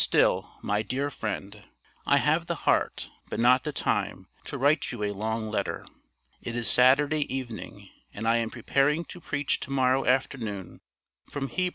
STILL, MY DEAR FRIEND: I have the heart, but not the time, to write you a long letter. It is Saturday evening, and I am preparing to preach to morrow afternoon from Heb.